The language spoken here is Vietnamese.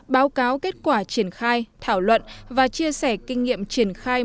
báo cáo kết quả triển khai thảo luận và chia sẻ kinh nghiệm triển khai